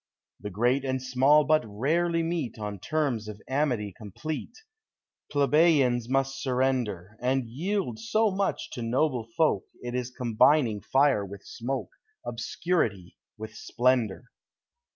The great and small but rarely meet On terms of amity complete; Plebeians must surrender. And yield so much to noble folk, It is combining fire with smoke, Obscurity with splendor.